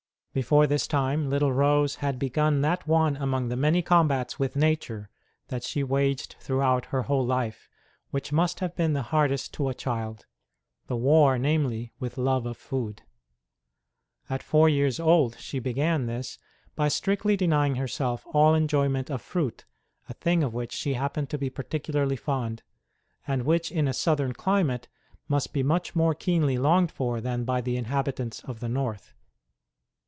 Before this time little Rose had begun that one among the many combats with nature that she waged throughout her whole life which must have been the hardest to a child the war, namely, with love of food. At four years old she began this, by strictly denying herself all enjoy ment of fruit, a thing of which she happened to be particularly fond, and which in a Southern climate must be much more keenly longed for than by the inhabitants of the North.